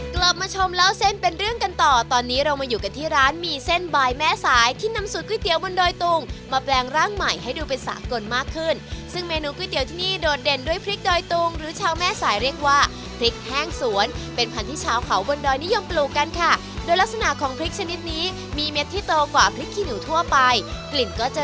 กลับมาชมเล่าเส้นเป็นเรื่องกันต่อตอนนี้เรามาอยู่กันที่ร้านมีเส้นบ่ายแม่สายที่นำสูตรก๋วยเตี๋ยวบนโดยตุ่งมาแปลงร่างใหม่ให้ดูเป็นสากลมากขึ้นซึ่งเมนูก๋วยเตี๋ยวที่นี่โดดเด่นด้วยพริกโดยตุ่งหรือชาวแม่สายเรียกว่าพริกแห้งสวนเป็นพันธุ์ที่ชาวเขาบนดอยนิยมปลูกกันค่ะโดยลัก